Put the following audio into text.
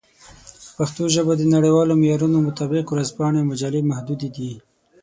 په پښتو ژبه د نړیوالو معیارونو مطابق ورځپاڼې او مجلې محدودې دي.